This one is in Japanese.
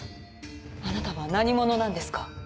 あなたは何者なんですか？